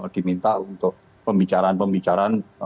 diminta untuk pembicaraan pembicaraan